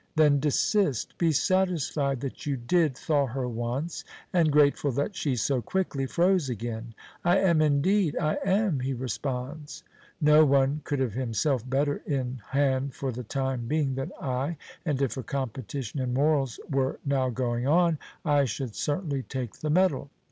Then desist; be satisfied that you did thaw her once, and grateful that she so quickly froze again. "I am; indeed I am," he responds. "No one could have himself better in hand for the time being than I, and if a competition in morals were now going on, I should certainly take the medal.